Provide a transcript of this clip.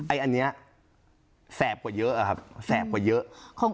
อันนี้แสบกว่าเยอะครับ